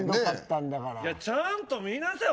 ちゃんと見なさいよ